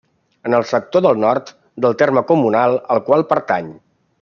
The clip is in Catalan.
És en el sector del nord del terme comunal al qual pertany.